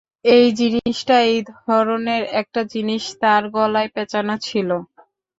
এই জিনিসটা এই ধরনের একটা জিনিস তার গলায় পেঁচানো ছিলো।